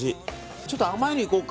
ちょっと甘いのいこうか。